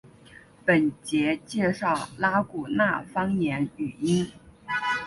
本节介绍拉祜纳方言语音。